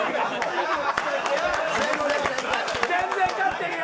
全然勝ってるよ。